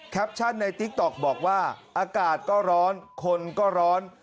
ชั่นในติ๊กต๊อกบอกว่าอากาศก็ร้อนคนก็ร้อน